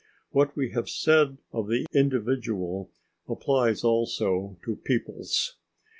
What we have said of the individual applies also to peoples.